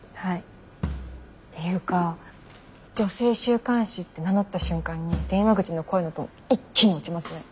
っていうか女性週刊誌って名乗った瞬間に電話口の声のトーン一気に落ちますね。